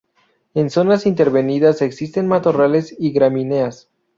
En zonas intervenidas existen matorrales y gramíneas.